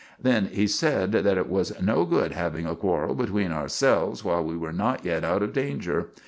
Then he sed that it was no good having a quarrel between ourselves while we were not yet out of danger.